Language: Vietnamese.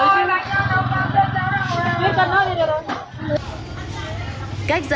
đây cô ơi